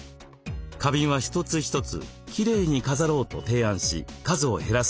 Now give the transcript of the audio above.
花瓶は一つ一つ「きれいに飾ろう」と提案し数を減らすこと。